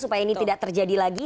supaya ini tidak terjadi lagi